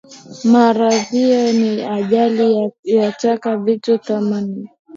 Maradhiyo ni ajali, yataka vitu thamani,